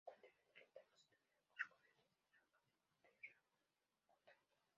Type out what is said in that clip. Frecuentemente, los templos estuvieron recubiertos de placas de terracota.